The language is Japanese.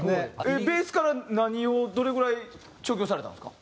ベースから何をどれぐらい調教されたんですか？